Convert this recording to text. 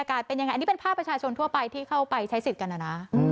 อันนี้เป็นภาพประชาชนทั่วไปที่เข้าไปใช้สิทธิ์กัน